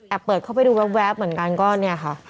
เปิดเข้าไปดูแว๊บเหมือนกันก็เนี่ยค่ะ